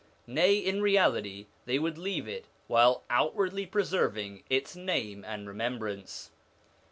Nay, in reality they would leave it, while outwardly preserving its name and remembrance.